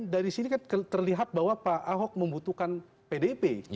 dari sini kan terlihat bahwa pak ahok membutuhkan pdip